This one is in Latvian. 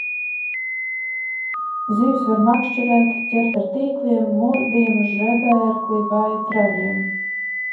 Zivis var makšķerēt, ķert ar tīkliem, murdiem, žebērkli vai traļiem.